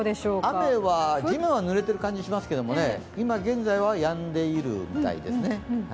雨は、地面はぬれている感じはしますけど今現在はやんでいるみたいですね。